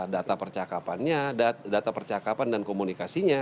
data percakapannya data percakapan dan komunikasinya